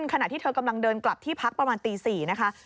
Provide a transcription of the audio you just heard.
ขณะที่เธอกำลังเดินกลับที่พักประมาณตี๔นะคะ